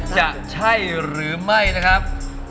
จะใช่หรือไม่นะครับ